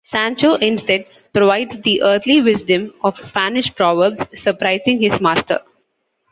Sancho instead provides the earthly wisdom of Spanish proverbs, surprising his master.